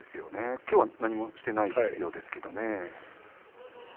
きょうは何もしてないようですけどもね。